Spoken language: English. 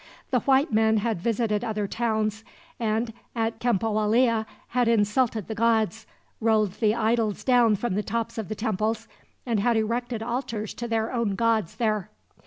The white men had visited other towns, and at Cempoalla had insulted the gods, rolled the idols down from the tops of the temples, and had erected altars to their own gods there.